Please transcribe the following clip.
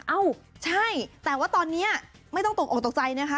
เอ้าใช่แต่ว่าตอนนี้ไม่ต้องตกออกตกใจนะคะ